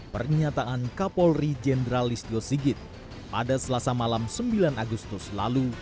pernyataan kapolri jendralist yosigit pada selasa malam sembilan agustus lalu